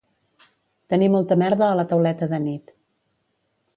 Tenir molta merda a la tauleta de nit